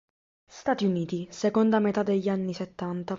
Stati Uniti seconda metà degli anni settanta.